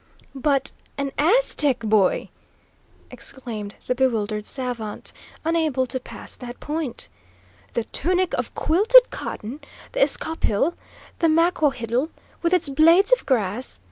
"But an Aztec, boy!" exclaimed the bewildered savant, unable to pass that point. "The tunic of quilted cotton, the escaupil! The maquahuitl, with its blades of grass!